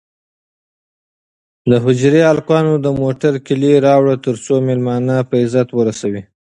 د حجرې هلکانو د موټر کیلي راوړه ترڅو مېلمانه په عزت ورسوي.